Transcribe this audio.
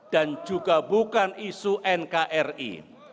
dan juga bukan isu nkri